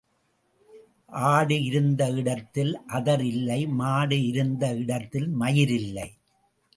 ஆடு இருந்த இடத்தில் அதர் இல்லை மாடு இருந்த இடத்தில் மயிர் இல்லை.